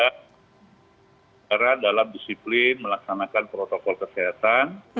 negara dalam disiplin melaksanakan protokol kesehatan